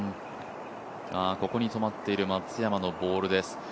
ここに止まっている松山のボールです。